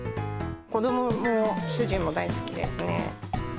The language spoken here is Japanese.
子どもも主人も大好きですね。